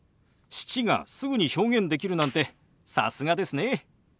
「７」がすぐに表現できるなんてさすがですね。